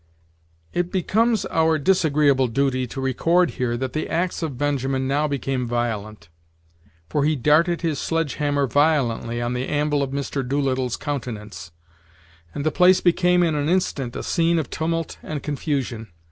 It becomes our disagreeable duty to record here, that the acts of Benjamin now became violent; for he darted his sledge hammer violently on the anvil of Mr. Doolittle's countenance, and the place became in an instant a scene of tumult and confusion.